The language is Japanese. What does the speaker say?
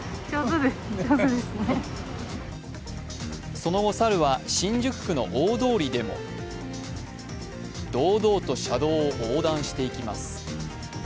その後、猿は新宿区の大通りでも堂々と車道を横断していきます。